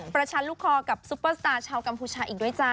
ชันลูกคอกับซุปเปอร์สตาร์ชาวกัมพูชาอีกด้วยจ้า